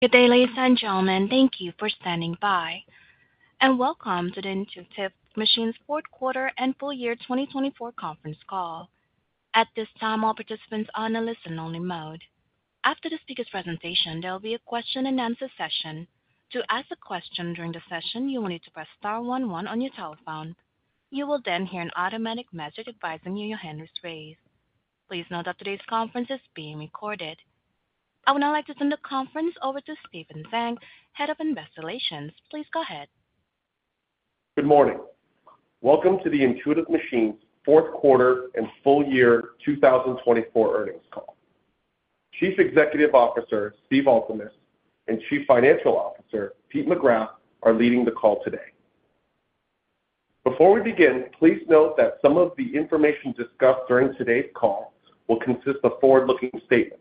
Good day, ladies and gentlemen. Thank you for standing by. Welcome to the Intuitive Machines Q4 and Full Year 2024 Conference Call. At this time, all participants are on a listen-only mode. After the speaker's presentation, there will be a question-and-answer session. To ask a question during the session, you will need to press star 11 on your telephone. You will then hear an automatic message advising you your hand is raised. Please note that today's conference is being recorded. I would now like to turn the conference over to Stephen Zhang, Head of Investor Relations. Please go ahead. Good morning. Welcome to the Intuitive Machines Q4 and Full Year 2024 Earnings Call. Chief Executive Officer Steve Altemus and Chief Financial Officer Peter McGrath are leading the call today. Before we begin, please note that some of the information discussed during today's call will consist of forward-looking statements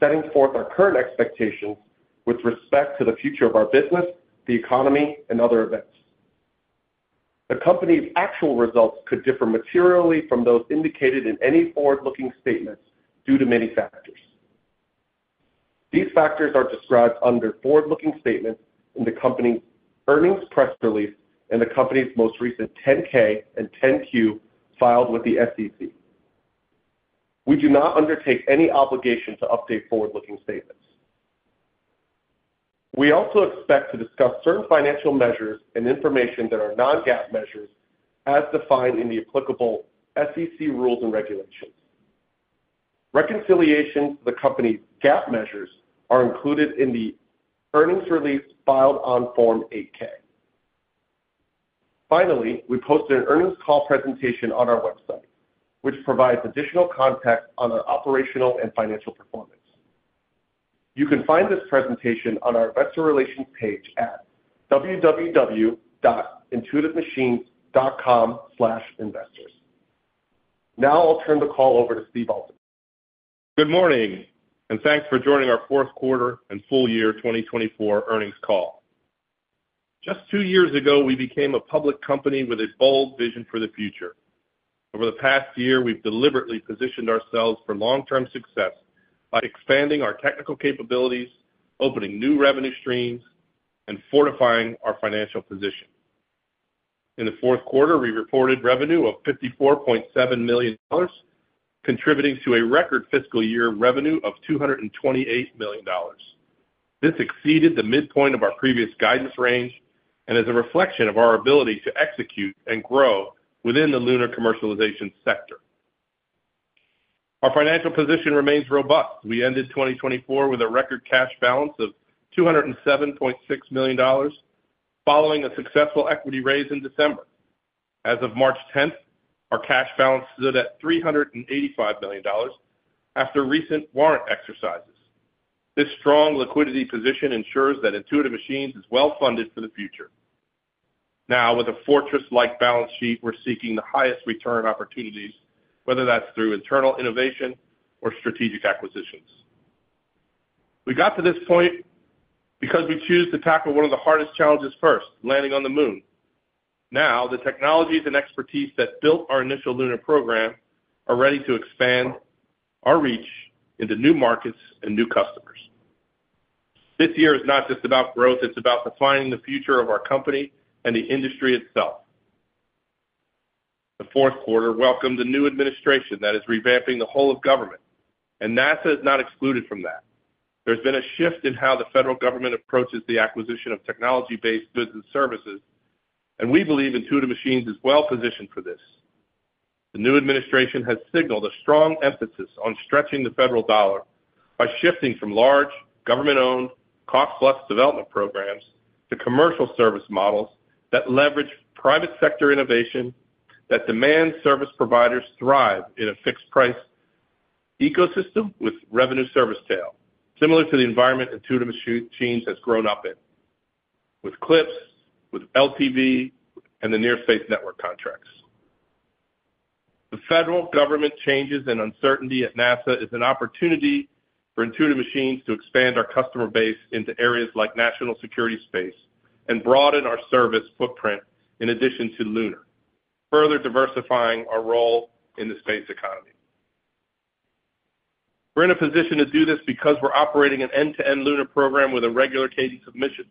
setting forth our current expectations with respect to the future of our business, the economy, and other events. The company's actual results could differ materially from those indicated in any forward-looking statements due to many factors. These factors are described under forward-looking statements in the company's earnings press release and the company's most recent 10-K and 10-Q filed with the SEC. We do not undertake any obligation to update forward-looking statements. We also expect to discuss certain financial measures and information that are non-GAAP measures as defined in the applicable SEC rules and regulations. Reconciliations to the company's GAAP measures are included in the earnings release filed on Form 8-K. Finally, we posted an earnings call presentation on our website, which provides additional context on our operational and financial performance. You can find this presentation on our Investor Relations page at www.intuitivemachines.com/investors. Now I'll turn the call over to Steve Altemus. Good morning, and thanks for joining our Q4 and Full Year 2024 Earnings Call. Just two years ago, we became a public company with a bold vision for the future. Over the past year, we've deliberately positioned ourselves for long-term success by expanding our technical capabilities, opening new revenue streams, and fortifying our financial position. In the Q4, we reported revenue of $54.7 million, contributing to a record fiscal year revenue of $228 million. This exceeded the midpoint of our previous guidance range and is a reflection of our ability to execute and grow within the lunar commercialization sector. Our financial position remains robust. We ended 2024 with a record cash balance of $207.6 million, following a successful equity raise in December. As of March 10th, our cash balance stood at $385 million after recent warrant exercises. This strong liquidity position ensures that Intuitive Machines is well-funded for the future. Now, with a fortress-like balance sheet, we're seeking the highest return opportunities, whether that's through internal innovation or strategic acquisitions. We got to this point because we choose to tackle one of the hardest challenges first, landing on the moon. Now, the technologies and expertise that built our initial lunar program are ready to expand our reach into new markets and new customers. This year is not just about growth; it's about defining the future of our company and the industry itself. The Q4 welcomed a new administration that is revamping the whole of government, and NASA is not excluded from that. There's been a shift in how the federal government approaches the acquisition of technology-based goods and services, and we believe Intuitive Machines is well-positioned for this. The new administration has signaled a strong emphasis on stretching the federal dollar by shifting from large, government-owned cost-plus development programs to commercial service models that leverage private sector innovation that demand service providers thrive in a fixed-price ecosystem with revenue service tail, similar to the environment Intuitive Machines has grown up in, with CLPS, with LTV, and the Near Space Network contracts. The federal government changes and uncertainty at NASA is an opportunity for Intuitive Machines to expand our customer base into areas like national security space and broaden our service footprint in addition to lunar, further diversifying our role in the space economy. We're in a position to do this because we're operating an end-to-end lunar program with a regular cadence of missions.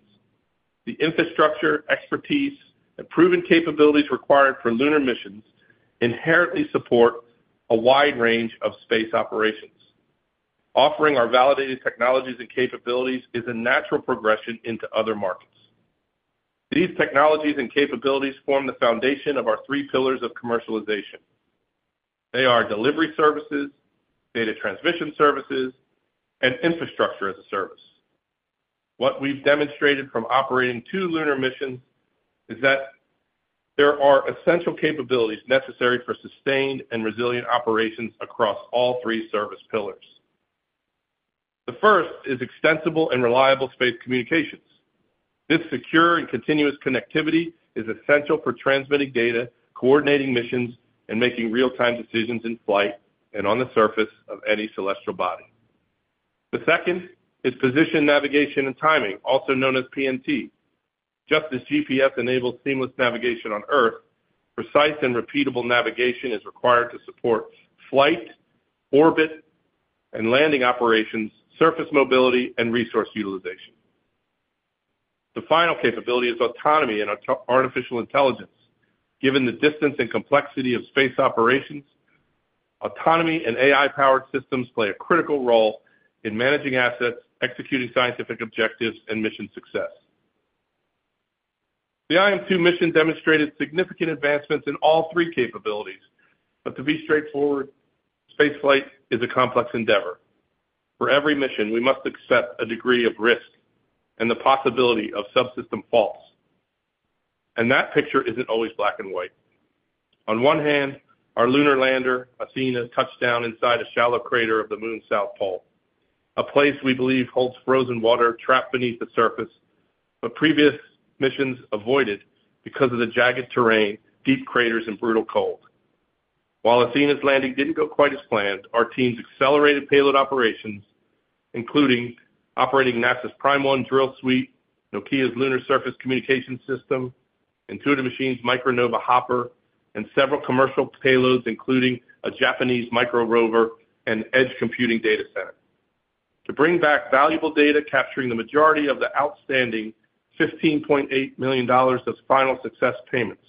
The infrastructure, expertise, and proven capabilities required for lunar missions inherently support a wide range of space operations. Offering our validated technologies and capabilities is a natural progression into other markets. These technologies and capabilities form the foundation of our three pillars of commercialization. They are delivery services, data transmission services, and infrastructure as a service. What we've demonstrated from operating two lunar missions is that there are essential capabilities necessary for sustained and resilient operations across all three service pillars. The first is extensible and reliable space communications. This secure and continuous connectivity is essential for transmitting data, coordinating missions, and making real-time decisions in flight and on the surface of any celestial body. The second is position navigation and timing, also known as PNT. Just as GPS enables seamless navigation on Earth, precise and repeatable navigation is required to support flight, orbit, and landing operations, surface mobility, and resource utilization. The final capability is autonomy and artificial intelligence. Given the distance and complexity of space operations, autonomy and AI-powered systems play a critical role in managing assets, executing scientific objectives, and mission success. The IM-2 mission demonstrated significant advancements in all three capabilities. To be straightforward, spaceflight is a complex endeavor. For every mission, we must accept a degree of risk and the possibility of subsystem faults. That picture is not always black and white. On one hand, our lunar lander, Athena, touched down inside a shallow crater of the Moon's South Pole, a place we believe holds frozen water trapped beneath the surface, but previous missions avoided because of the jagged terrain, deep craters, and brutal cold. While Athena's landing did not go quite as planned, our teams accelerated payload operations, including operating NASA's PRIME-1 drill suite, Nokia's lunar surface communication system, Intuitive Machines' MicroNova hopper, and several commercial payloads, including a Japanese micro-rover and edge computing data center, to bring back valuable data capturing the majority of the outstanding $15.8 million of final success payments.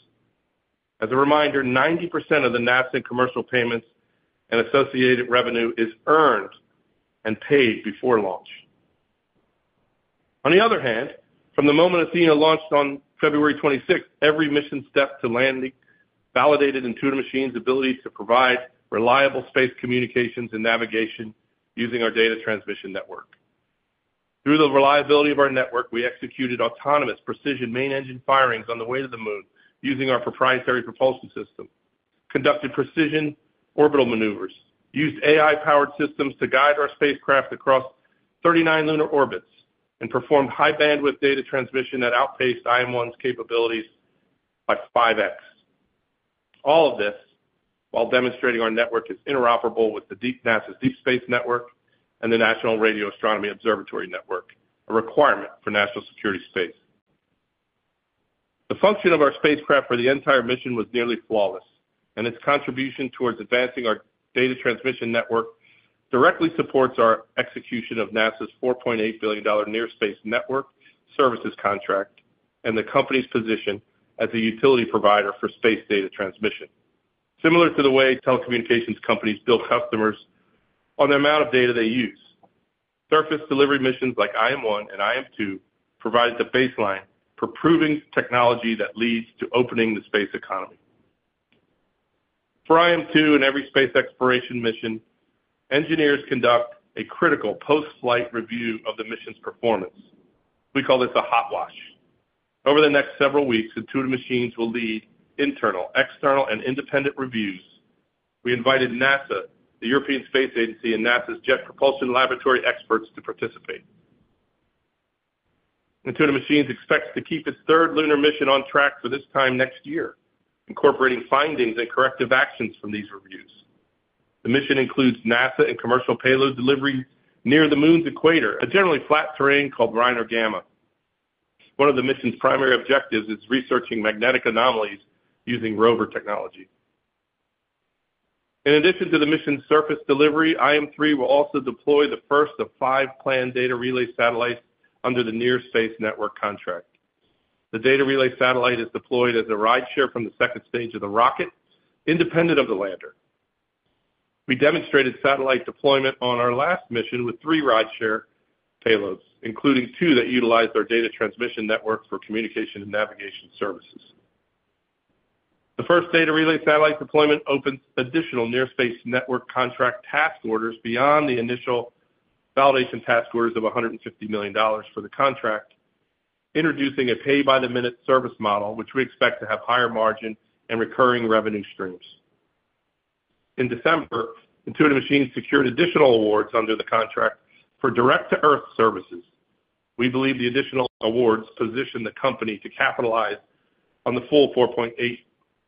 As a reminder, 90% of the NASA commercial payments and associated revenue is earned and paid before launch. On the other hand, from the moment Athena launched on February 26th, every mission stepped to landing, validated Intuitive Machines' ability to provide reliable space communications and navigation using our data transmission network. Through the reliability of our network, we executed autonomous precision main engine firings on the way to the moon using our proprietary propulsion system, conducted precision orbital maneuvers, used AI-powered systems to guide our spacecraft across 39 lunar orbits, and performed high-bandwidth data transmission that outpaced IM-1's capabilities by 5x. All of this while demonstrating our network is interoperable with NASA's Deep Space Network and the National Radio Astronomy Observatory Network, a requirement for national security space. The function of our spacecraft for the entire mission was nearly flawless, and its contribution towards advancing our data transmission network directly supports our execution of NASA's $4.8 billion near space network services contract and the company's position as a utility provider for space data transmission, similar to the way telecommunications companies bill customers on the amount of data they use. Surface delivery missions like IM-1 and IM-2 provided the baseline for proving technology that leads to opening the space economy. For IM-2 and every space exploration mission, engineers conduct a critical post-flight review of the mission's performance. We call this a hot wash. Over the next several weeks, Intuitive Machines will lead internal, external, and independent reviews. We invited NASA, the European Space Agency, and NASA's Jet Propulsion Laboratory experts to participate. Intuitive Machines expects to keep its third lunar mission on track for this time next year, incorporating findings and corrective actions from these reviews. The mission includes NASA and commercial payload delivery near the moon's equator, a generally flat terrain called Reiner Gamma. One of the mission's primary objectives is researching magnetic anomalies using rover technology. In addition to the mission surface delivery, IM-3 will also deploy the first of five planned data relay satellites under the Near Space Network contract. The data relay satellite is deployed as a rideshare from the second stage of the rocket, independent of the lander. We demonstrated satellite deployment on our last mission with three rideshare payloads, including two that utilized our data transmission network for communication and navigation services. The first data relay satellite deployment opens additional Near Space Network contract task orders beyond the initial validation task orders of $150 million for the contract, introducing a pay-by-the-minute service model, which we expect to have higher margin and recurring revenue streams. In December, Intuitive Machines secured additional awards under the contract for direct-to-earth services. We believe the additional awards position the company to capitalize on the full $4.8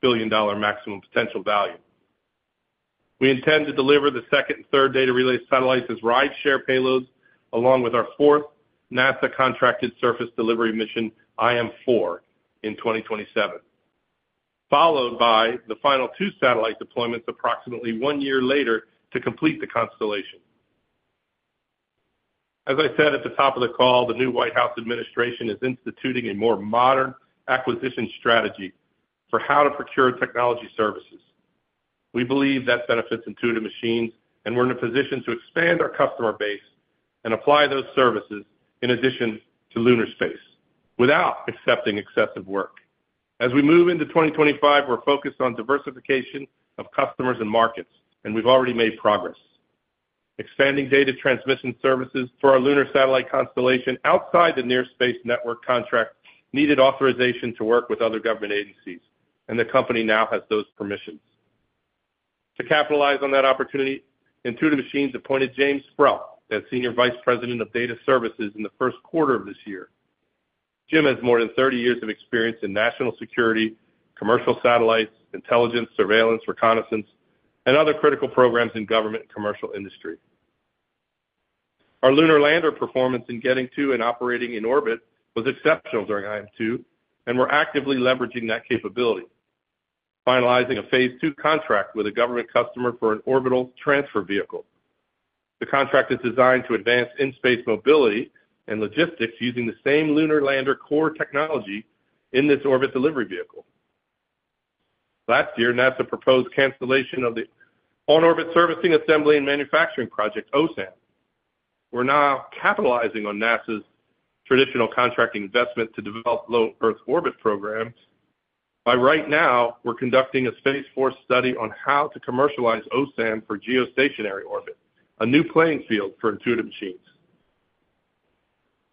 billion maximum potential value. We intend to deliver the second and third data relay satellites as rideshare payloads, along with our fourth NASA-contracted surface delivery mission, IM-4, in 2027, followed by the final two satellite deployments approximately one year later to complete the constellation. As I said at the top of the call, the new White House administration is instituting a more modern acquisition strategy for how to procure technology services. We believe that benefits Intuitive Machines, and we're in a position to expand our customer base and apply those services in addition to lunar space without accepting excessive work. As we move into 2025, we're focused on diversification of customers and markets, and we've already made progress. Expanding data transmission services for our lunar satellite constellation outside the Near Space Network contract needed authorization to work with other government agencies, and the company now has those permissions. To capitalize on that opportunity, Intuitive Machines appointed James Hrock as Senior Vice President of Data Services in the Q1 of this year. Jim has more than 30 years of experience in national security, commercial satellites, intelligence, surveillance, reconnaissance, and other critical programs in government and commercial industry. Our lunar lander performance in getting to and operating in orbit was exceptional during IM-2, and we're actively leveraging that capability, finalizing a phase two contract with a government customer for an orbital transfer vehicle. The contract is designed to advance in-space mobility and logistics using the same lunar lander core technology in this orbit delivery vehicle. Last year, NASA proposed cancellation of the on-orbit servicing assembly and manufacturing project, OSAM. We're now capitalizing on NASA's traditional contracting investment to develop low Earth orbit programs. By right now, we're conducting a Space Force study on how to commercialize OSAM for geostationary orbit, a new playing field for Intuitive Machines.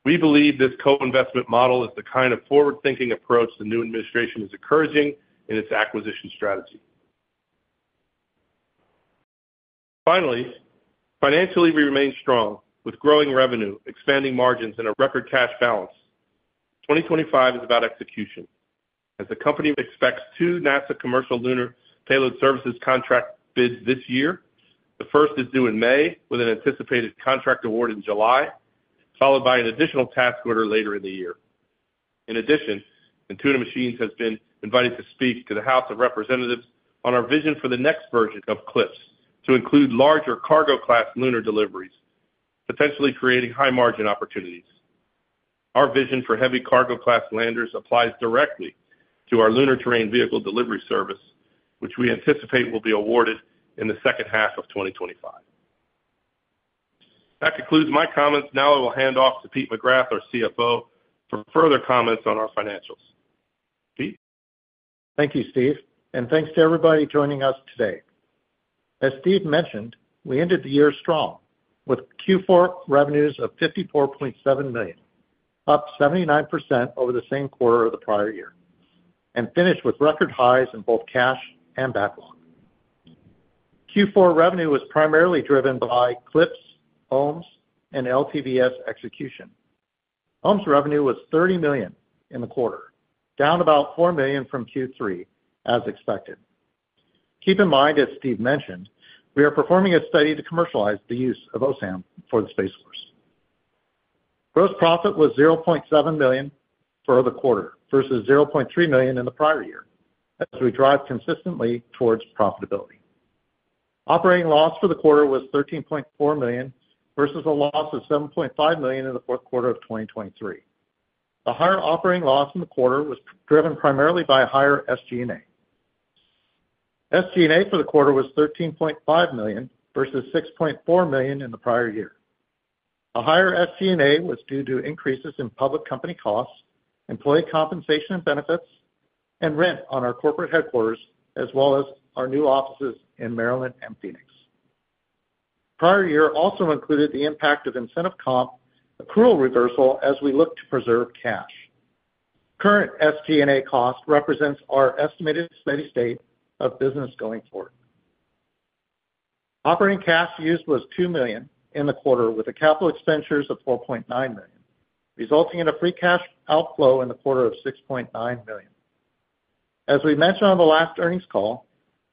We believe this co-investment model is the kind of forward-thinking approach the new administration is encouraging in its acquisition strategy. Finally, financially, we remain strong with growing revenue, expanding margins, and a record cash balance. 2025 is about execution. As the company expects two NASA Commercial Lunar Payload Services contract bids this year, the first is due in May with an anticipated contract award in July, followed by an additional task order later in the year. In addition, Intuitive Machines has been invited to speak to the House of Representatives on our vision for the next version of CLPS to include larger cargo-class lunar deliveries, potentially creating high-margin opportunities. Our vision for heavy cargo-class landers applies directly to our lunar terrain vehicle delivery service, which we anticipate will be awarded in the second half of 2025. That concludes my comments. Now I will hand off to Peter McGrath, our CFO, for further comments on our financials. Pete. Thank you, Steve, and thanks to everybody joining us today. As Steve mentioned, we ended the year strong with Q4 revenues of $54.7 million, up 79% over the same quarter of the prior year, and finished with record highs in both cash and backlog. Q4 revenue was primarily driven by CLPS, OMES, and LTV execution. OMES revenue was $30 million in the quarter, down about $4 million from Q3, as expected. Keep in mind, as Steve mentioned, we are performing a study to commercialize the use of OSAM for the space force. Gross profit was $0.7 million for the quarter versus $0.3 million in the prior year, as we drive consistently towards profitability. Operating loss for the quarter was $13.4 million versus a loss of $7.5 million in the Q4 of 2023. The higher operating loss in the quarter was driven primarily by a higher SG&A. SG&A for the quarter was $13.5 million versus $6.4 million in the prior year. A higher SG&A was due to increases in public company costs, employee compensation and benefits, and rent on our corporate headquarters, as well as our new offices in Maryland and Phoenix. Prior year also included the impact of incentive comp accrual reversal as we look to preserve cash. Current SG&A cost represents our estimated steady state of business going forward. Operating cash used was $2 million in the quarter with a capital expenditure of $4.9 million, resulting in a free cash outflow in the quarter of $6.9 million. As we mentioned on the last earnings call,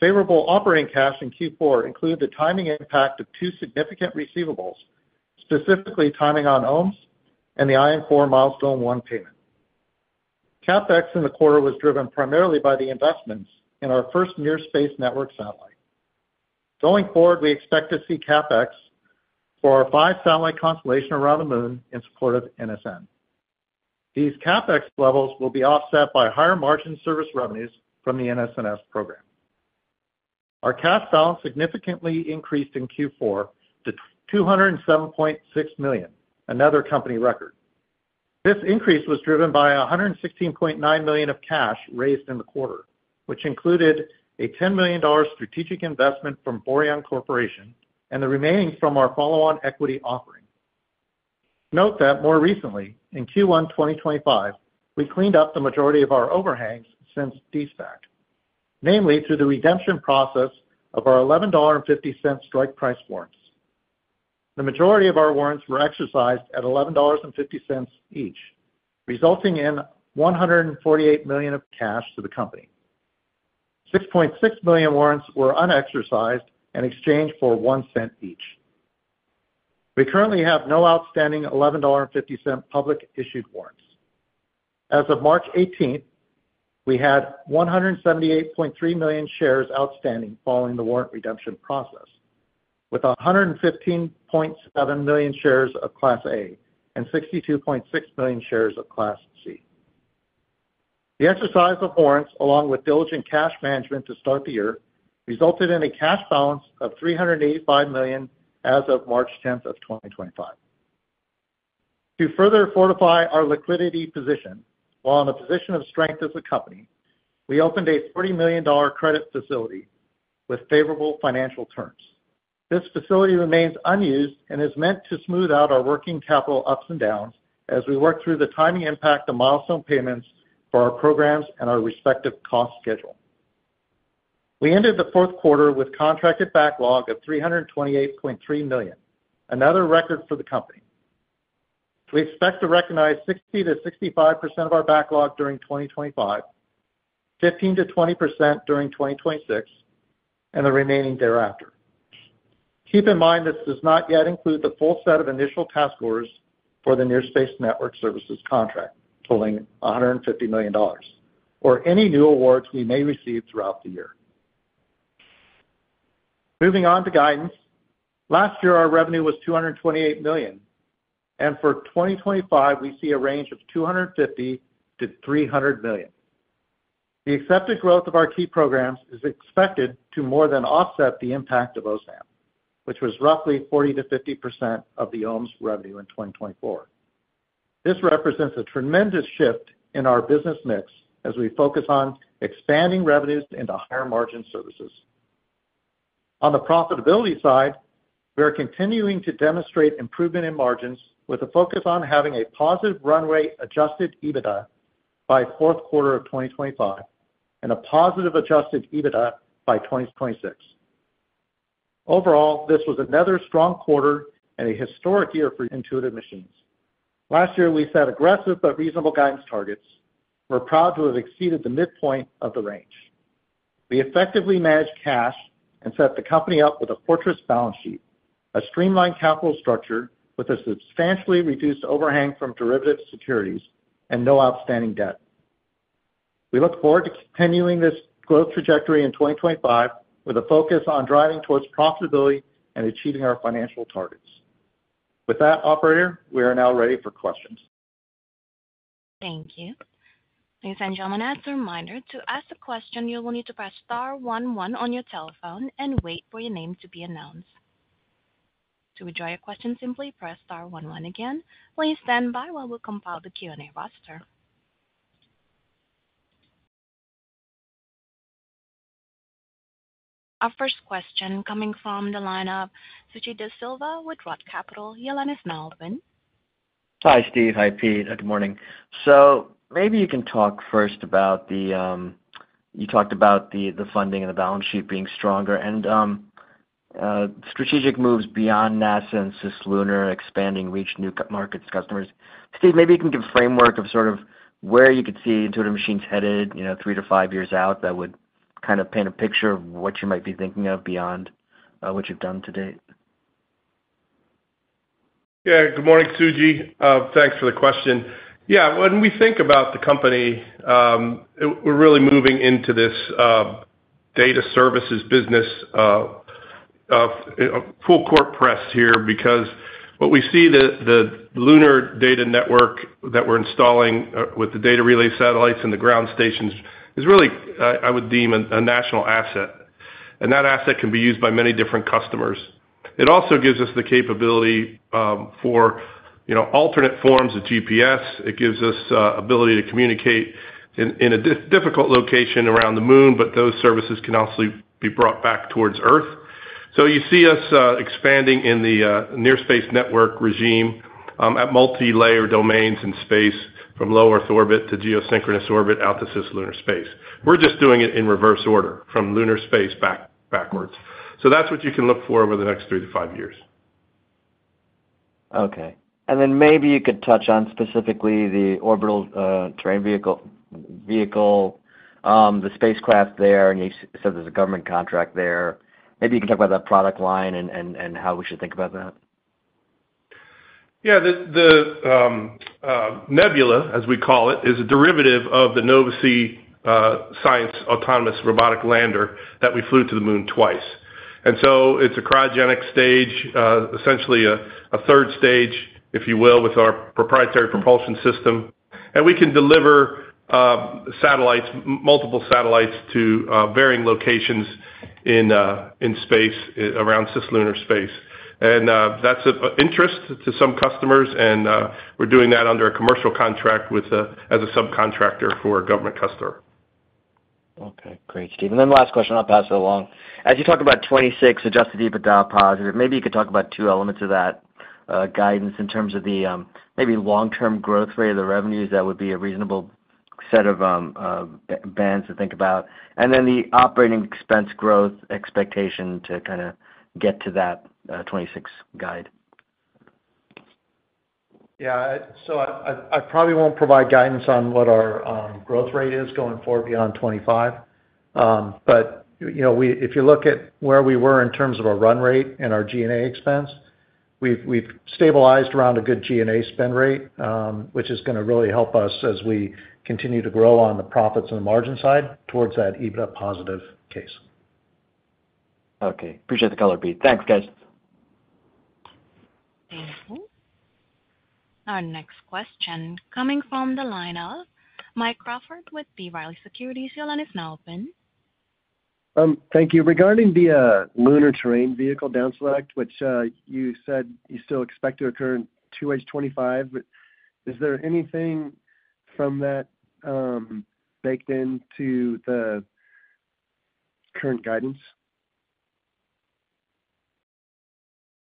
favorable operating cash in Q4 included the timing impact of two significant receivables, specifically timing on OMES and the IM-4 milestone one payment. CapEx in the quarter was driven primarily by the investments in our first Near Space Network satellite. Going forward, we expect to see CapEx for our five-satellite constellation around the moon in support of NSN. These CapEx levels will be offset by higher margin service revenues from the NSNS program. Our cash balance significantly increased in Q4 to $207.6 million, another company record. This increase was driven by $116.9 million of cash raised in the quarter, which included a $10 million strategic investment from Boryung Corporation and the remaining from our follow-on equity offering. Note that more recently, in Q1 2025, we cleaned up the majority of our overhangs since de-SPAC, namely through the redemption process of our $11.50 strike price warrants. The majority of our warrants were exercised at $11.50 each, resulting in $148 million of cash to the company. 6.6 million warrants were unexercised and exchanged for one cent each. We currently have no outstanding $11.50 public-issued warrants. As of March 18th, we had 178.3 million shares outstanding following the warrant redemption process, with 115.7 million shares of Class A and 62.6 million shares of Class C. The exercise of warrants, along with diligent cash management to start the year, resulted in a cash balance of $385 million as of March 10th of 2025. To further fortify our liquidity position, while in a position of strength as a company, we opened a $40 million credit facility with favorable financial terms. This facility remains unused and is meant to smooth out our working capital ups and downs as we work through the timing impact of milestone payments for our programs and our respective cost schedule. We ended the Q4 with contracted backlog of $328.3 million, another record for the company. We expect to recognize 60%-65% of our backlog during 2025, 15%-20% during 2026, and the remaining thereafter. Keep in mind this does not yet include the full set of initial task orders for the Near Space Network Services contract totaling $150 million or any new awards we may receive throughout the year. Moving on to guidance, last year our revenue was $228 million, and for 2025 we see a range of $250-$300 million. The accepted growth of our key programs is expected to more than offset the impact of OSAM, which was roughly 40%-50% of the OMES revenue in 2024. This represents a tremendous shift in our business mix as we focus on expanding revenues into higher margin services. On the profitability side, we are continuing to demonstrate improvement in margins with a focus on having a positive runway adjusted EBITDA by Q4 of 2025 and a positive adjusted EBITDA by 2026. Overall, this was another strong quarter and a historic year for Intuitive Machines. Last year, we set aggressive but reasonable guidance targets. We're proud to have exceeded the midpoint of the range. We effectively managed cash and set the company up with a fortress balance sheet, a streamlined capital structure with a substantially reduced overhang from derivative securities and no outstanding debt. We look forward to continuing this growth trajectory in 2025 with a focus on driving towards profitability and achieving our financial targets. With that, Operator, we are now ready for questions. Thank you. Please enjoy one last reminder to ask a question you will need to press star 11 on your telephone and wait for your name to be announced. To withdraw your question, simply press star 11 again. Please stand by while we compile the Q&A roster. Our first question coming from the line of Suji Desilva with Roth Capital. Yolanis Malvin. Hi, Steve. Hi, Pete. Good morning. Maybe you can talk first about the, you talked about the funding and the balance sheet being stronger and, strategic moves beyond NASA and cislunar expanding reach new markets customers. Steve, maybe you can give a framework of sort of where you could see Intuitive Machines headed, you know, three to five years out that would kind of paint a picture of what you might be thinking of beyond, what you've done to date. Yeah. Good morning, Suji. Thanks for the question. Yeah when we think about the company, we're really moving into this data services business, full court press here because what we see, the lunar data network that we're installing with the data relay satellites and the ground stations is really, I would deem, a national asset, and that asset can be used by many different customers. It also gives us the capability for, you know, alternate forms of GPS. It gives us ability to communicate in a difficult location around the moon, but those services can also be brought back towards Earth. You see us expanding in the near-space network regime, at multi-layer domains in space from low Earth orbit to geosynchronous orbit out to CisLunar space. We're just doing it in reverse order from lunar space back, backwards. That's what you can look for over the next three to five years. Okay. Maybe you could touch on specifically the orbital terrain vehicle, the spacecraft there, and you said there's a government contract there. Maybe you can talk about that product line and how we should think about that. Yeah. The Nebula, as we call it, is a derivative of the Nova-C Science Autonomous Robotic Lander that we flew to the moon twice. It is a cryogenic stage, essentially a third stage, if you will, with our proprietary propulsion system. We can deliver satellites, multiple satellites to varying locations in space, around CisLunar space. That is of interest to some customers, and we are doing that under a commercial contract as a subcontractor for a government customer. Okay. Great, Steve. Last question. I'll pass it along. As you talk about 2026 adjusted EBITDA positive, maybe you could talk about two elements of that, guidance in terms of the, maybe long-term growth rate of the revenues. That would be a reasonable set of bands to think about. And then the operating expense growth expectation to kind of get to that 2026 guide. Yeah. I probably won't provide guidance on what our growth rate is going forward beyond 2025, but, you know, if you look at where we were in terms of our run rate and our G&A expense, we've stabilized around a good G&A spend rate, which is going to really help us as we continue to grow on the profits and the margin side towards that EBITDA positive case. Okay. Appreciate the color, Pete. Thanks, guys. Thank you. Our next question coming from the line of Mike Crawford with B. Riley Securities. Yolanis Malvin. Thank you. Regarding the lunar terrain vehicle down select, which you said you still expect to occur in 2025, is there anything from that baked into the current guidance?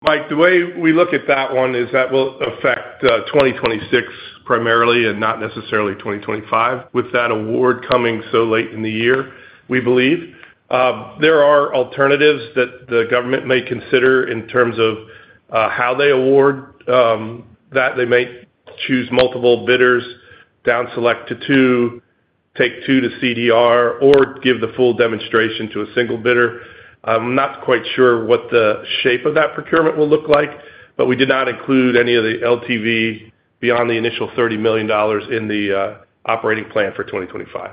Mike, the way we look at that one is that will affect 2026 primarily and not necessarily 2025 with that award coming so late in the year, we believe. There are alternatives that the government may consider in terms of how they award that. They may choose multiple bidders, down select to two, take two to CDR, or give the full demonstration to a single bidder. I'm not quite sure what the shape of that procurement will look like, but we did not include any of the LTV beyond the initial $30 million in the operating plan for 2025.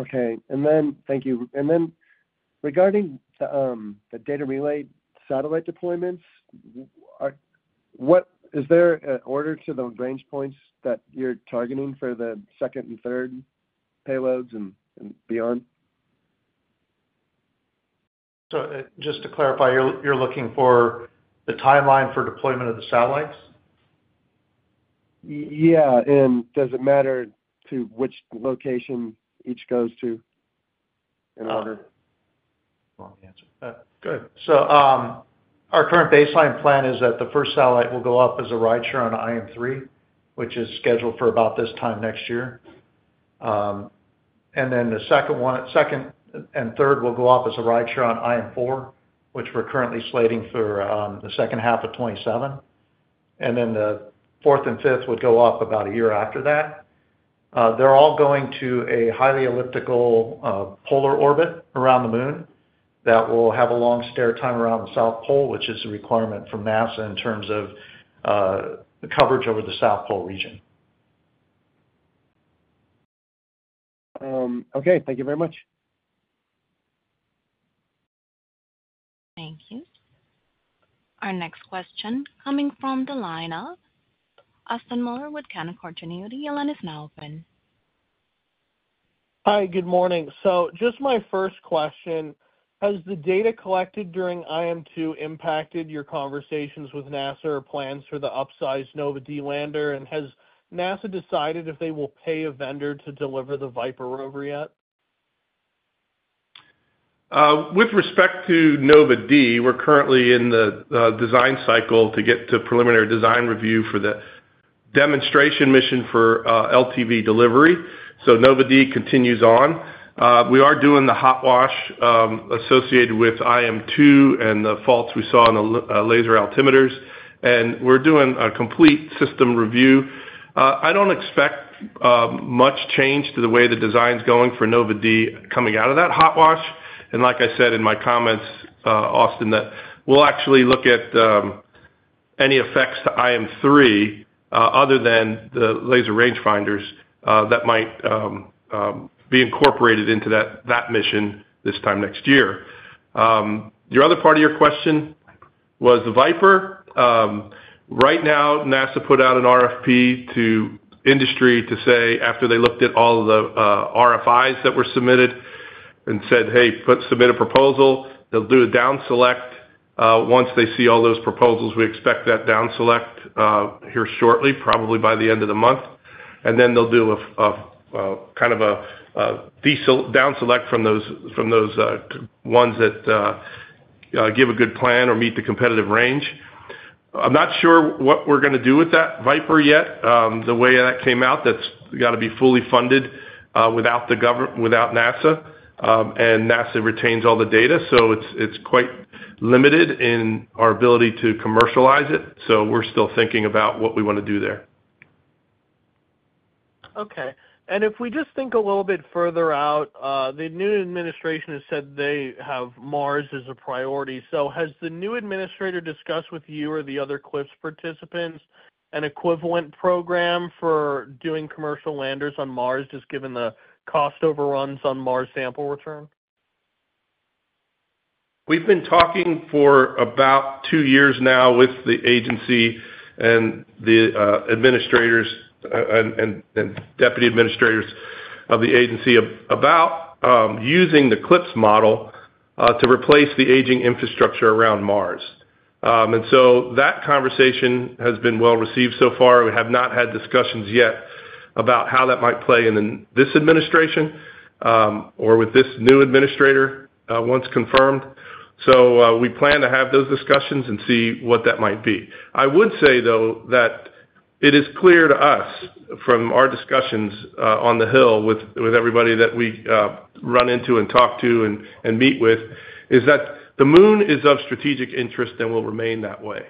Okay. And then, thank you. Regarding the data relay satellite deployments, is there an order to the range points that you're targeting for the second and third payloads and beyond? Just to clarify, you're looking for the timeline for deployment of the satellites? Yeah. Does it matter to which location each goes to in order? Go ahead. Our current baseline plan is that the first satellite will go up as a rideshare on IM-3, which is scheduled for about this time next year. The second and third will go up as a rideshare on IM-4, which we're currently slating for the second half of 2027. The fourth and fifth would go up about a year after that. they're all going to a highly elliptical, polar orbit around the moon that will have a long stair time around the South Pole, which is a requirement from NASA in terms of the coverage over the South Pole region. Okay. Thank you very much. Thank you. Our next question coming from the line of Austin Moeller with Canaccord Genuity. Yolanis Malvin. Hi, good morning. Just my first question, has the data collected during IM-2 impacted your conversations with NASA or plans for the upsized Nova-D lander? And has NASA decided if they will pay a vendor to deliver the VIPER over yet? With respect to Nova-D, we're currently in the design cycle to get to preliminary design review for the demonstration mission for LTV delivery. Nova-D continues on. We are doing the hot wash associated with IM-2 and the faults we saw in the laser altimeters. We're doing a complete system review. I don't expect much change to the way the design's going for Nova-D coming out of that hot wash. Like I said in my comments, Austin, we'll actually look at any effects to IM-3, other than the laser rangefinders, that might be incorporated into that mission this time next year. The other part of your question was the VIPER. Right now, NASA put out an RFP to industry to say, after they looked at all of the RFIs that were submitted and said, "Hey, submit a proposal," they'll do a down select. Once they see all those proposals, we expect that down select here shortly, probably by the end of the month. Then they'll do a kind of a down select from those ones that give a good plan or meet the competitive range. I'm not sure what we're going to do with that VIPER yet. The way that came out, that's got to be fully funded, without the government, without NASA. NASA retains all the data, so it's quite limited in our ability to commercialize it. We're still thinking about what we want to do there. If we just think a little bit further out, the new administration has said they have Mars as a priority. Has the new administrator discussed with you or the other CLPS participants an equivalent program for doing commercial landers on Mars, just given the cost overruns on Mars sample return? We've been talking for about two years now with the agency and the administrators and deputy administrators of the agency about using the CLPS model to replace the aging infrastructure around Mars. That conversation has been well received so far we have not had discussions yet about how that might play in this administration, or with this new administrator, once confirmed. We plan to have those discussions and see what that might be. I would say, though, that it is clear to us from our discussions on the Hill with everybody that we run into and talk to and meet with, that the moon is of strategic interest and will remain that way.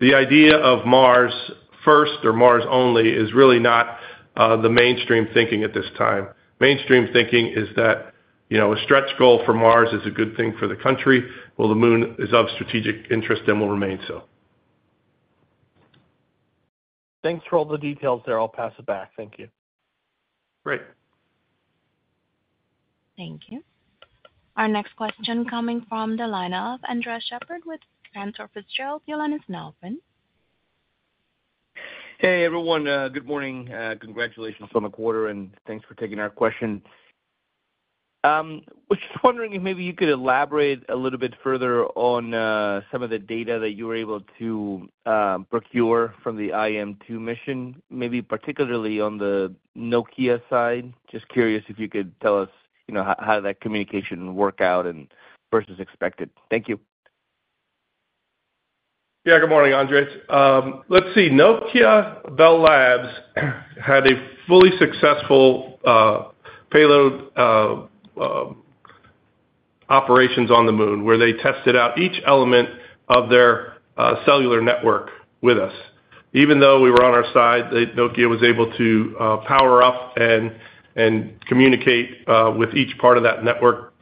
The idea of Mars first or Mars only is really not the mainstream thinking at this time. Mainstream thinking is that, you know, a stretch goal for Mars is a good thing for the country. The moon is of strategic interest and will remain so. Thanks for all the details there. I'll pass it back. Thank you. Great. Thank you. Our next question coming from the line of Andres Juan Sheppard-Slinger with Cantor Fitzgerald, Yolanis Malvin. Hey, everyone. Good morning. Congratulations on the quarter, and thanks for taking our question. Was just wondering if maybe you could elaborate a little bit further on some of the data that you were able to procure from the IM-2 mission, maybe particularly on the Nokia side. Just curious if you could tell us, you know, how, how did that communication work out and versus expected. Thank you. Yeah. Good morning, Andres. Let's see Nokia Bell Labs had a fully successful payload operations on the moon where they tested out each element of their cellular network with us. Even though we were on our side, they, Nokia, was able to power up and communicate with each part of that network,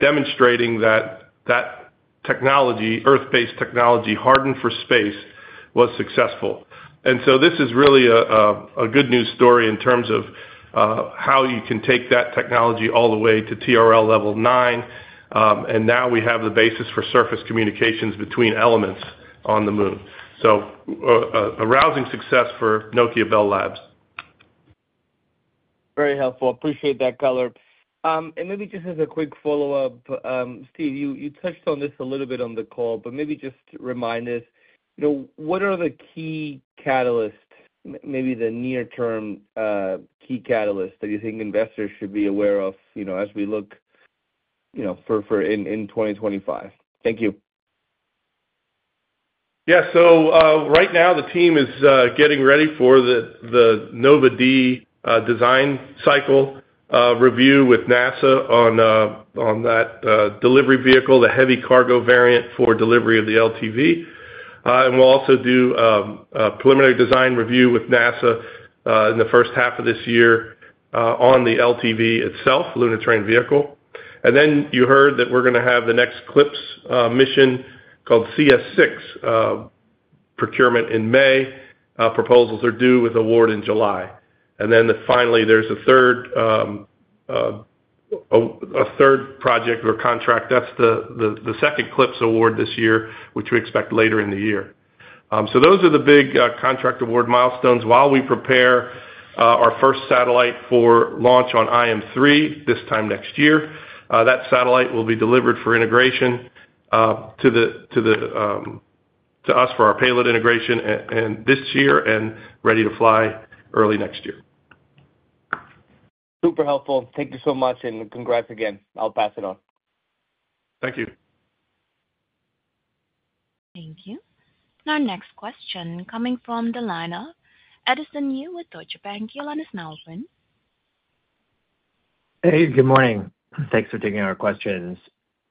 demonstrating that that technology, Earth-based technology hardened for space, was successful. This is really a good news story in terms of how you can take that technology all the way to TRL level nine. And now we have the basis for surface communications between elements on the moon. A rousing success for Nokia Bell Labs. Very helpful. Appreciate that color. Maybe just as a quick follow-up, Steve, you touched on this a little bit on the call, but maybe just remind us, you know, what are the key catalysts, maybe the near-term key catalysts that you think investors should be aware of, you know, as we look, you know, for in 2025? Thank you. Yeah. Right now, the team is getting ready for the Nova-D design cycle review with NASA on that delivery vehicle, the heavy cargo variant for delivery of the LTV. We'll also do preliminary design review with NASA in the first half of this year on the LTV itself, lunar terrain vehicle. You heard that we're going to have the next CLPS mission called CS6 procurement in May. Proposals are due with award in July. Finally, there's a third project or contract. That's the second CLPS award this year, which we expect later in the year. Those are the big contract award milestones while we prepare our first satellite for launch on IM-3 this time next year. That satellite will be delivered for integration to us for our payload integration this year and ready to fly early next year. Super helpful. Thank you so much, and congrats again. I'll pass it on. Thank you. Thank you. Our next question coming from the line of Edison Yu with Deutsche Bank, Yolanis Malvin. Hey, good morning. Thanks for taking our questions.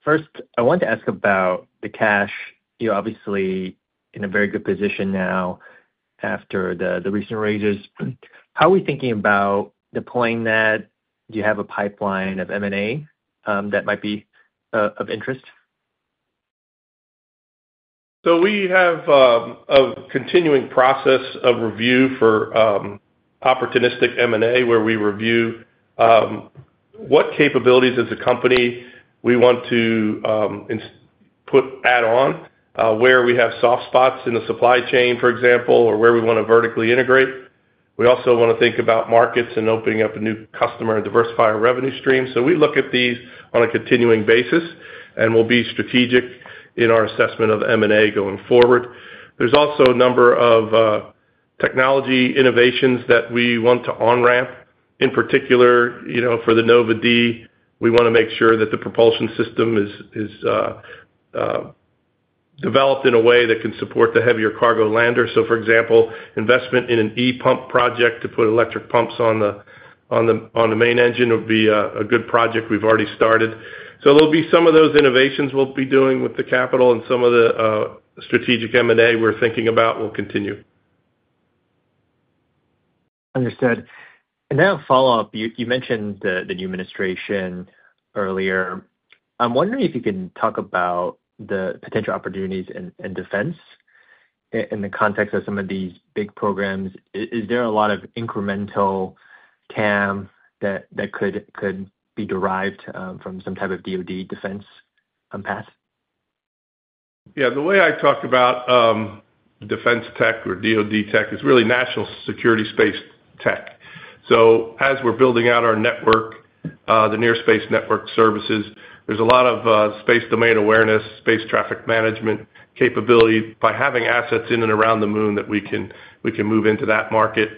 First, I wanted to ask about the cash. You're obviously in a very good position now after the recent raises. How are we thinking about deploying that? Do you have a pipeline of M&A that might be of interest? We have a continuing process of review for opportunistic M&A where we review what capabilities as a company we want to put add on, where we have soft spots in the supply chain, for example, or where we want to vertically integrate. We also want to think about markets and opening up a new customer and diversify our revenue stream we look at these on a continuing basis and will be strategic in our assessment of M&A going forward. There's also a number of technology innovations that we want to on-ramp. In particular, you know, for the Nova-D, we want to make sure that the propulsion system is developed in a way that can support the heavier cargo lander, For example, investment in an E-pump project to put electric pumps on the main engine would be a good project we've already started. There will be some of those innovations we'll be doing with the capital and some of the strategic M&A we're thinking about will continue. Understood. A follow-up. You mentioned the new administration earlier. I'm wondering if you can talk about the potential opportunities in defense in the context of some of these big programs. Is there a lot of incremental TAM that could be derived from some type of DOD defense path? Yeah. The way I talk about defense tech or DOD tech is really national security space tech. As we're building out our network, the Near Space Network services, there's a lot of space domain awareness, space traffic management capability by having assets in and around the moon that we can move into that market.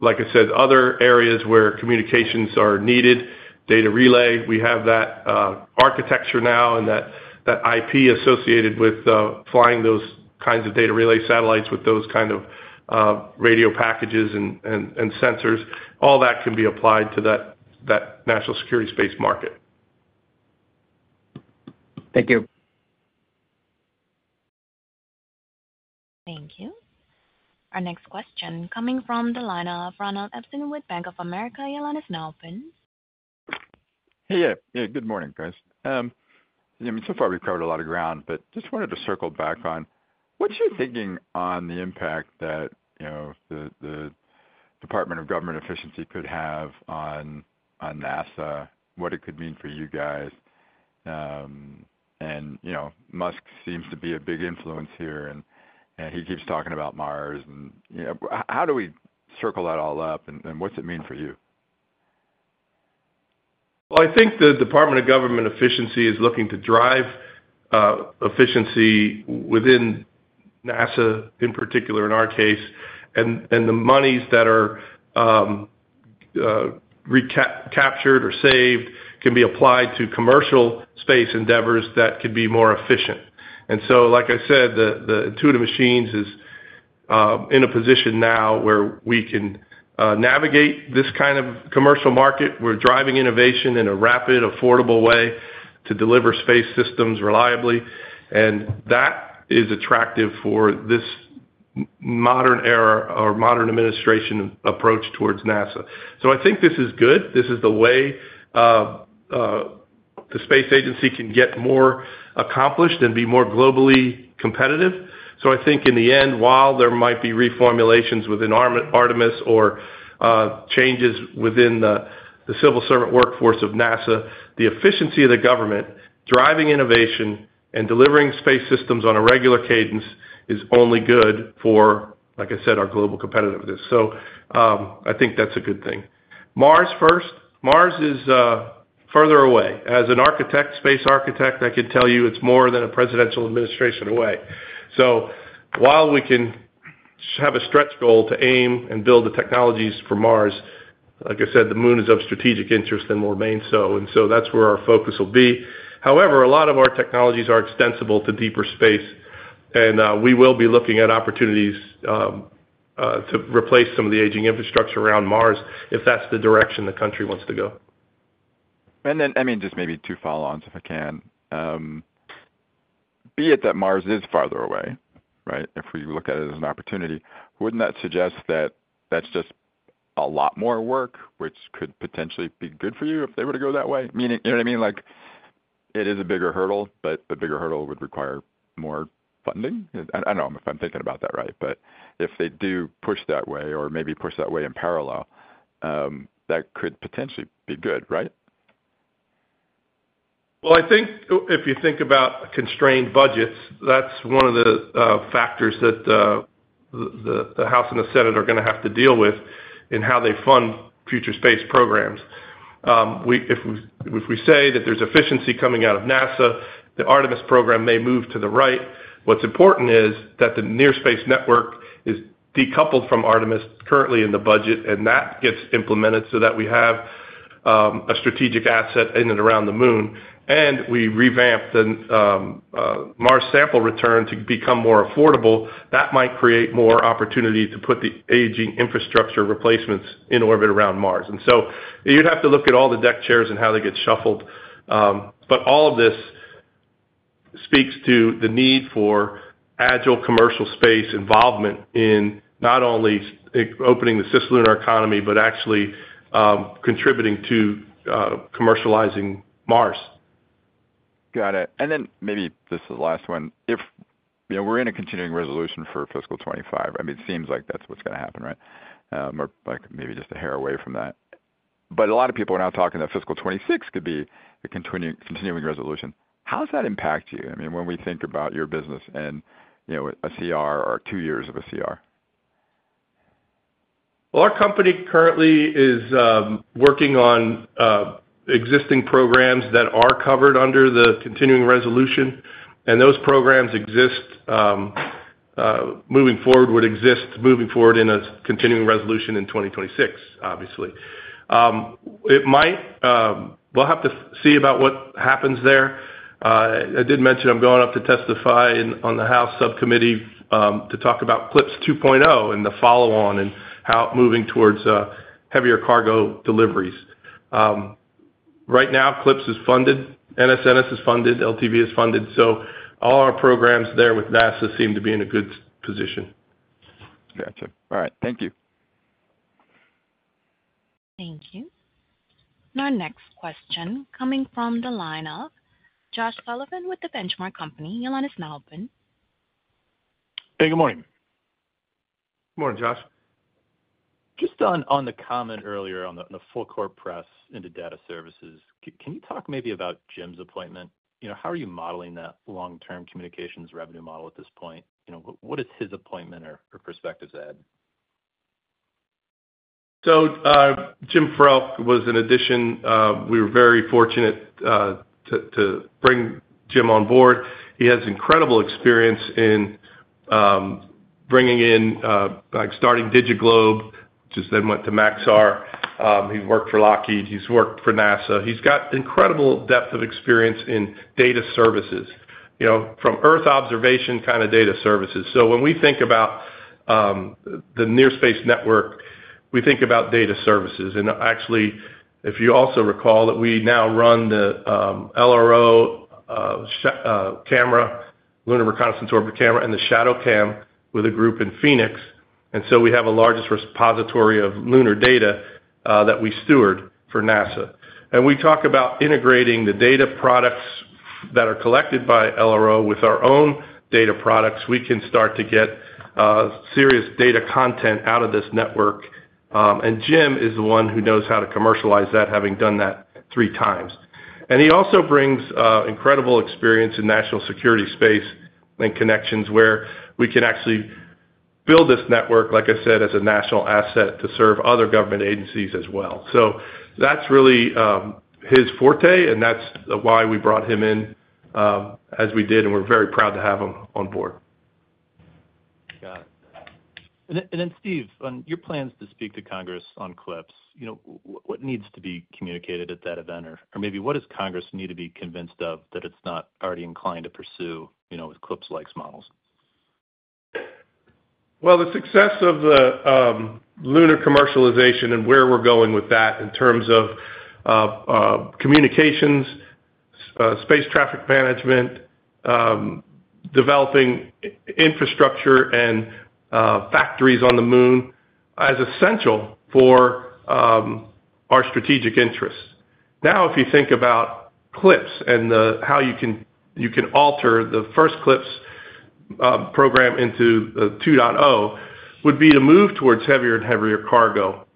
Like I said, other areas where communications are needed. Data relay, we have that architecture now and that IP associated with flying those kinds of data relay satellites with those kind of radio packages and sensors. All that can be applied to that national security space market. Thank you. Thank you. Our next question coming from the line of Ronald Epstein with Bank of America, Yolanis Malvin. Hey, yeah. Yeah. Good morning, guys. I mean, so far we've covered a lot of ground, but just wanted to circle back on what's your thinking on the impact that, you know, the Department of Government Efficiency could have on, on NASA, what it could mean for you guys. You know, Musk seems to be a big influence here, and he keeps talking about Mars and, you know, how, how do we circle that all up and what's it mean for you? I think the Department of Government Efficiency is looking to drive efficiency within NASA in particular, in our case. The monies that are captured or saved can be applied to commercial space endeavors that could be more efficient. Like I said, Intuitive Machines is in a position now where we can navigate this kind of commercial market. We're driving innovation in a rapid, affordable way to deliver space systems reliably. That is attractive for this modern era or modern administration approach towards NASA. I think this is good, This is the way the space agency can get more accomplished and be more globally competitive. I think in the end, while there might be reformulations within Artemis or changes within the civil servant workforce of NASA, the efficiency of the government driving innovation and delivering space systems on a regular cadence is only good for, like I said, our global competitiveness. I think that's a good thing. Mars first. Mars is further away. As an architect, space architect, I could tell you it's more than a presidential administration away. While we can have a stretch goal to aim and build the technologies for Mars, like I said, the moon is of strategic interest and will remain so that is where our focus will be. However, a lot of our technologies are extensible to deeper space. We will be looking at opportunities to replace some of the aging infrastructure around Mars if that is the direction the country wants to go. I mean, just maybe two follow-ons if I can. Be it that Mars is farther away, right, if we look at it as an opportunity, would not that suggest that that is just a lot more work, which could potentially be good for you if they were to go that way? Meaning, you know what I mean? Like, it is a bigger hurdle, but the bigger hurdle would require more funding. I don't know if I'm thinking about that right, but if they do push that way or maybe push that way in parallel, that could potentially be good, right? I think if you think about constrained budgets, that's one of the factors that the House and the Senate are going to have to deal with in how they fund future space programs. If we say that there's efficiency coming out of NASA, the Artemis program may move to the right. What's important is that the Near Space Network is decoupled from Artemis currently in the budget, and that gets implemented so that we have a strategic asset in and around the moon. We revamp the Mars sample return to become more affordable. That might create more opportunity to put the aging infrastructure replacements in orbit around Mars. You have to look at all the deck chairs and how they get shuffled. All of this speaks to the need for agile commercial space involvement in not only opening the cislunar economy, but actually, contributing to commercializing Mars. Got it. Maybe this is the last one. If, you know, we're in a continuing resolution for fiscal 2025, I mean, it seems like that's what's going to happen, right? Maybe just a hair away from that. A lot of people are now talking that fiscal 2026 could be a continuing, continuing resolution. How does that impact you? I mean, when we think about your business and, you know, a CR or two years of a CR? Our company currently is working on existing programs that are covered under the continuing resolution. Those programs exist, moving forward would exist moving forward in a continuing resolution in 2026, obviously. It might, we'll have to see about what happens there. I did mention I'm going up to testify in on the House subcommittee, to talk about CLPS 2.0 and the follow-on and how moving towards, heavier cargo deliveries. Right now, CLPS is funded. NSNS is funded. LTV is funded so, all our programs there with NASA seem to be in a good position Gotcha. All right. Thank you. Thank you. Our next question coming from the line of Josh Sullivan with The Benchmark Company, Yolanis Malvin. Hey, good morning. Good morning, Josh. Just on, on the comment earlier on the, on the full-court press into data services, can you talk maybe about Jim's appointment? You know, how are you modeling that long-term communications revenue model at this point? You know, what is his appointment or perspectives add? Jim Hrock was an addition. We were very fortunate to bring Jim on board. He has incredible experience in bringing in, like starting DigitalGlobe, which then went to Maxar. He's worked for Lockheed. He's worked for NASA, He's got incredible depth of experience in data services, you know, from Earth observation kind of data services. You know, when we think about the Near Space Network, we think about data services. Actually. If you also recall that we now run the LRO, SH camera, Lunar Reconnaissance Orbit camera, and the ShadowCam with a group in Phoenix. We have the largest repository of lunar data that we steward for NASA. We talk about integrating the data products that are collected by LRO with our own data products. We can start to get serious data content out of this network. Jim is the one who knows how to commercialize that, having done that three times. He also brings incredible experience in national security space and connections where we can actually build this network, like I said, as a national asset to serve other government agencies as well. That is really his forte. That is why we brought him in, as we did. We are very proud to have him on board. Got it. Steve, on your plans to speak to Congress on CLPS, you know, what needs to be communicated at that event? Or maybe what does Congress need to be convinced of that it is not already inclined to pursue, you know, with CLPS-like models? The success of the lunar commercialization and where we're going with that in terms of communications, space traffic management, developing infrastructure and factories on the moon is essential for our strategic interests. Now, if you think about CLPS and how you can alter the first CLPS program into the 2.0 would be to move towards heavier and heavier cargo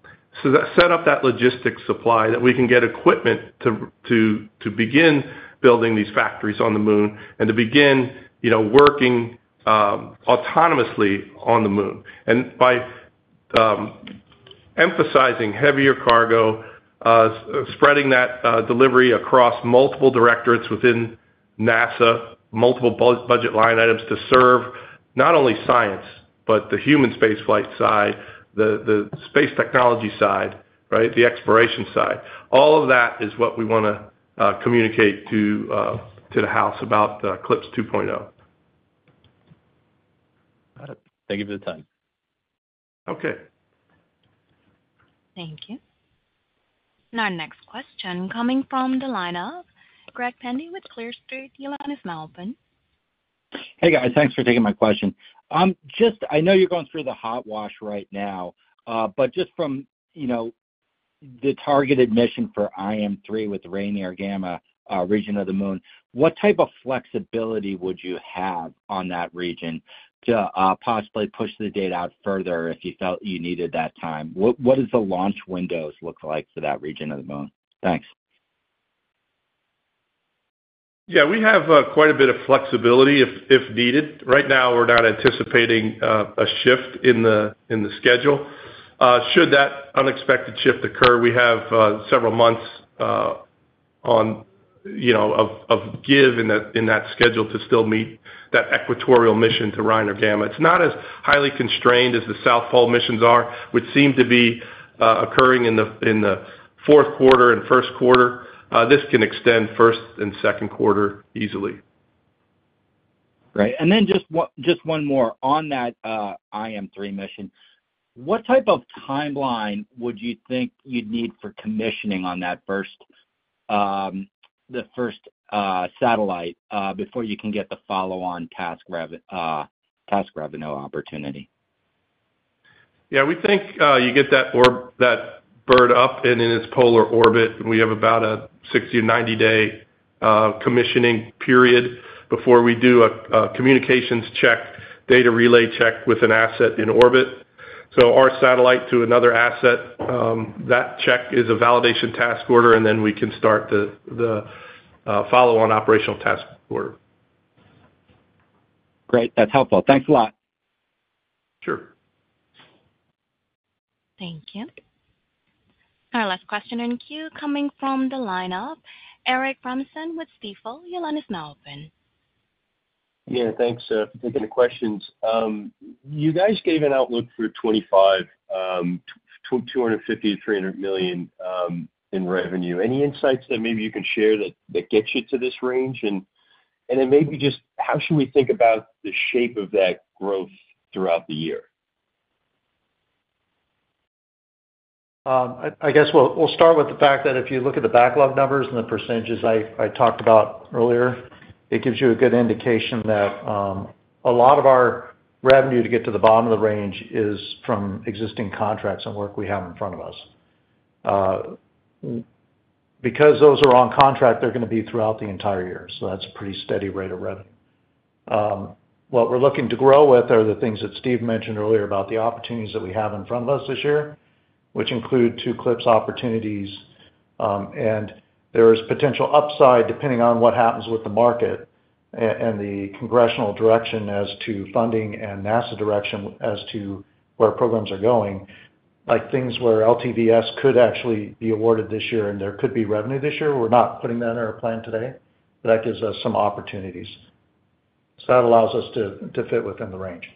so that sets up that logistics supply that we can get equipment to begin building these factories on the moon and to begin, you know, working autonomously on the moon. By emphasizing heavier cargo, spreading that delivery across multiple directorates within NASA, multiple budget line items to serve not only science, but the human space flight side, the space technology side, the exploration side. All of that is what we want to communicate to the House about the CLPS 2.0. Got it. Thank you for the time. Okay. Thank you. Our next question coming from the line of Greg Pendy with Clear Street, Yolanis Malvin. Hey, guys. Thanks for taking my question. Just I know you're going through the hot wash right now, but just from, you know, the targeted mission for IM-3 with the Rhino Gamma region of the moon, what type of flexibility would you have on that region to possibly push the data out further if you felt you needed that time? What does the launch windows look like for that region of the moon? Thanks. Yeah. We have quite a bit of flexibility if needed. Right now, we're not anticipating a shift in the schedule. Should that unexpected shift occur, we have several months of give in that schedule to still meet that equatorial mission to Rhino Gamma. It's not as highly constrained as the South Pole missions are, which seem to be occurring in the Q4 and Q1. This can extend first and Q2 easily. Right. And then just one, just one more on that IM-3 mission. What type of timeline would you think you'd need for commissioning on that first, the first satellite, before you can get the follow-on task revenue opportunity? Yeah we think you get that orb, that bird up and in its polar orbit. We have about a 60- to 90-day commissioning period before we do a communications check, data relay check with an asset in orbit. Our satellite to another asset, that check is a validation task order. Then we can start the follow-on operational task order. Great. That's helpful. Thanks a lot. Sure. Thank you. Our last question in queue coming from the line of Eric Brunson with Stephens, Yolanis Malvin. Yeah thanks, for taking the questions. You guys gave an outlook for 2025, $250-$300 million in revenue. Any insights that maybe you can share that get you to this range? And then maybe just how should we think about the shape of that growth throughout the year? I guess we'll start with the fact that if you look at the backlog numbers and the percentages I talked about earlier, it gives you a good indication that a lot of our revenue to get to the bottom of the range is from existing contracts and work we have in front of us. Because those are on contract, they're going to be throughout the entire year. So that's a pretty steady rate of revenue. What we're looking to grow with are the things that Steve mentioned earlier about the opportunities that we have in front of us this year, which include two CLPS opportunities. There is potential upside depending on what happens with the market and the congressional direction as to funding and NASA direction as to where programs are going. Like things where LTVS could actually be awarded this year and there could be revenue this year. We're not putting that in our plan today, but that gives us some opportunities. That allows us to fit within the range.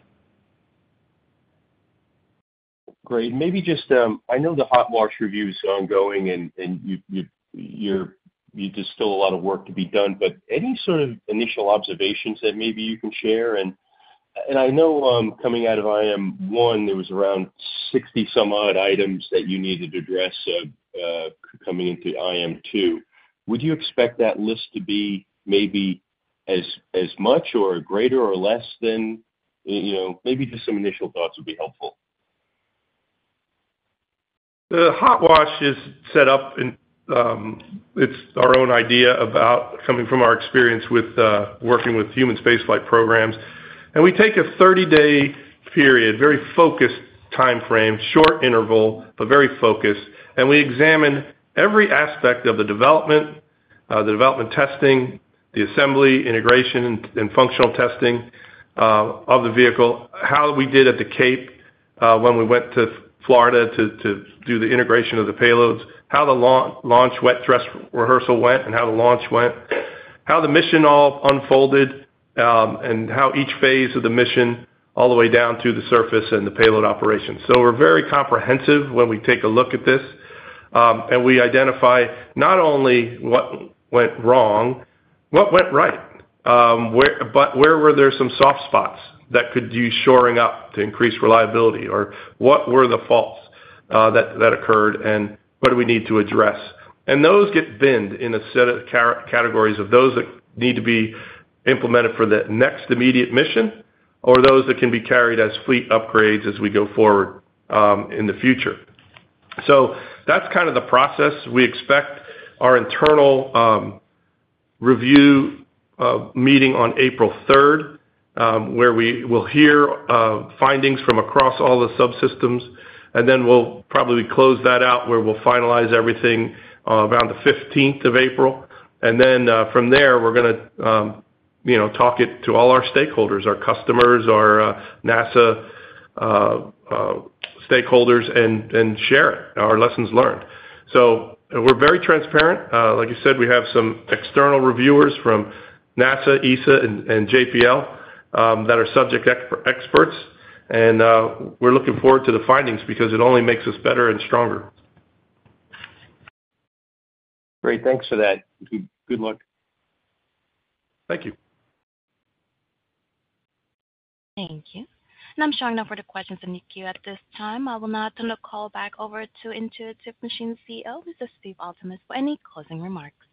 Great. Maybe just, I know the hot wash review's ongoing and you just still have a lot of work to be done. Any sort of initial observations that maybe you can share? I know, coming out of IM-1, there was around 60-some-odd items that you needed to address, coming into IM-2. Would you expect that list to be maybe as much or greater or less than, you know, maybe just some initial thoughts would be helpful? The hot wash is set up in, it's our own idea about coming from our experience with working with human space flight programs. We take a 30-day period, very focused timeframe, short interval, but very focused. We examine every aspect of the development, the development testing, the assembly, integration, and functional testing of the vehicle, how we did at the Cape, when we went to Florida to do the integration of the payloads, how the launch wet dress rehearsal went and how the launch went, how the mission all unfolded, and how each phase of the mission all the way down to the surface and the payload operation. We are very comprehensive when we take a look at this. We identify not only what went wrong, what went right, where, but where there were some soft spots that could use shoring up to increase reliability or what were the faults that occurred and what we need to address. Those get binned in a set of categories of those that need to be implemented for the next immediate mission or those that can be carried as fleet upgrades as we go forward, in the future. That is kind of the process, We expect our internal review meeting on April 3rd, where we will hear findings from across all the subsystems. We will probably close that out where we will finalize everything, around the 15th of April. From there, we are going to, you know, talk it to all our stakeholders, our customers, our NASA stakeholders, and share it, our lessons learned. We are very transparent. Like I said, we have some external reviewers from NASA, ESA, and JPL that are subject experts. We are looking forward to the findings because it only makes us better and stronger. Great. Thanks for that. Good luck. Thank you. Thank you. I'm showing no further questions in the queue at this time. I will now turn the call back over to Intuitive Machines CEO, Mr. Steve Altemus, for any closing remarks.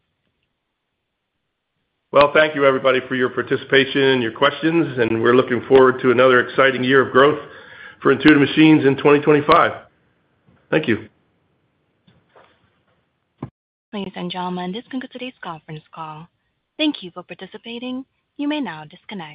Thank you, everybody, for your participation and your questions. We're looking forward to another exciting year of growth for Intuitive Machines in 2025 thank you. Ladies and gentlemen, this concludes today's conference call. Thank you for participating. You may now disconnect.